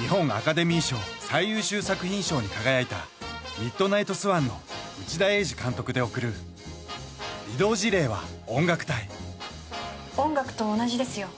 日本アカデミー賞最優秀作品賞に輝いた「ミッドナイトスワン」の内田英治監督でおくる音楽と同じですよ